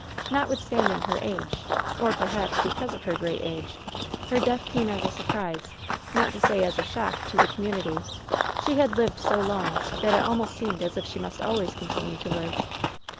Notwithstanding her a^, or, perhaps, because of her great age, her death came as a surprise, not to say as a shock, to the com munity. She had lived so long that it almost seemed as if she must always continue to live.